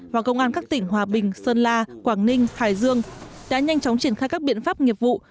và công an các tỉnh hòa bình sơn la quảng ninh hải dương đã nhanh chóng triển khai các biện pháp nghiệp vụ